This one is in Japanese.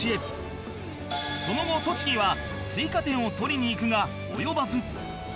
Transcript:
その後栃木は追加点を取りに行くが及ばず